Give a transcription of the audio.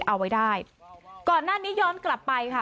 เอาไว้ได้ก่อนหน้านี้ย้อนกลับไปค่ะ